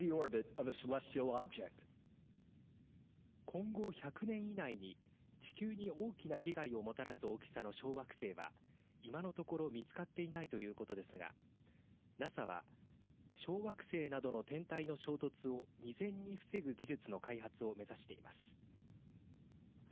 今後１００年以内に地球に大きな被害をもたらす大きさの小惑星は今のところ見つかっていないということですがＮＡＳＡは小惑星などの天体の衝突を未然に防ぐ技術の開発を目指しています。